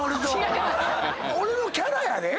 俺のキャラやで？